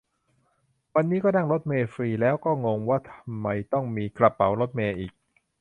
วันนี้ก็นั่งรถเมล์ฟรี แล้วก็งงว่าทำไมต้องมีกระเป๋ารถเมล์อีก